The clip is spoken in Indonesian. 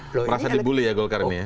perasaan di bully ya golkar ini ya